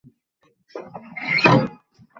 আজ থেকে তুই আমাদের ব্যবসার অংশীদার।